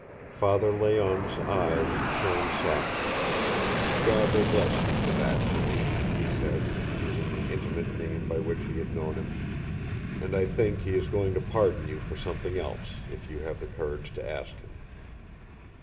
Father Layonne's eyes shone softly. "God will bless you for that, Jimmy," he said, using the intimate name by which he had known him. "And I think He is going to pardon you for something else, if you have the courage to ask Him."